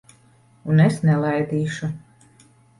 Un es nelaidīšu.